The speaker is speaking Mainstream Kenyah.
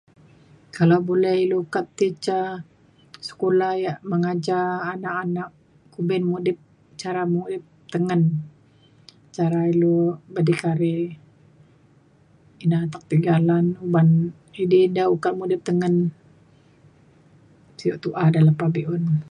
kalau bule ilu ka ti ca sekula ia’ mengajar anak anak kumbin mudip cara mudip tengen cara ilu berdikari ina atek tiga lan uban edi ida ukat mudip tengen sio tu’a ida lepa be’un